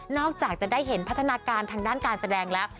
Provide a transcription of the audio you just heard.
จากจะได้เห็นพัฒนาการทางด้านการแสดงแล้ว